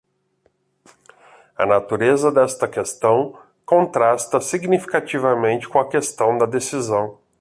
A natureza desta questão contrasta significativamente com a questão da decisão.